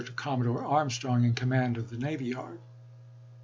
to Commodore Armstrong, in command of the navy yard.